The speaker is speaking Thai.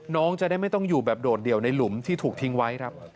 น้องจะได้ไม่ต้องอยู่แบบโดดเดี่ยวในหลุมที่ถูกทิ้งไว้ครับ